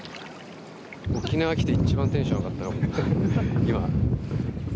沖縄来て一番テンション上がったかも、今。